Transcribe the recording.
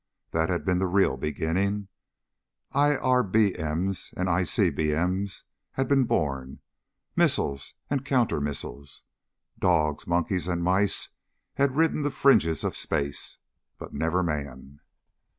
That had been the real beginning. IRBM's and ICBM's had been born. Missiles and counter missiles. Dogs, monkeys and mice had ridden the fringes of space. But never man.